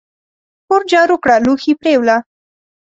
کور جارو کړه لوښي پریوله !